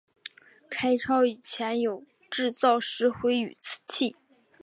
开埠以前有制造石灰与瓷器。